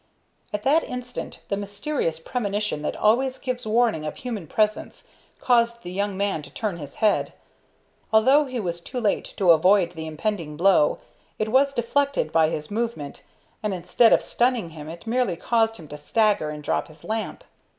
At that instant the mysterious premonition that always gives warning of human presence caused the young man to turn his head. Although he was too late to avoid the impending blow, it was deflected by his movement, and instead of stunning him it merely caused him to stagger and drop his lamp.